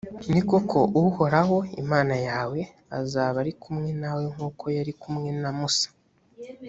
ni koko, uhoraho, imana yawe, azaba ari kumwe nawe nk’uko yari kumwe na musa.